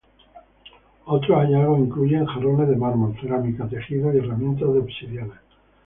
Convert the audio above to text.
Otros hallazgos incluyen jarrones de mármol, cerámica, tejidos y herramientas de obsidiana.